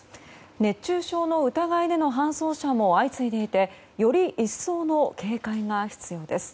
熱中症の疑いでの搬送者も相次いでいてより一層の警戒が必要です。